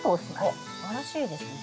おっすばらしいですね。